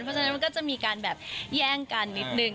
เพราะฉะนั้นมันก็จะมีการแบบแย่งกันนิดนึง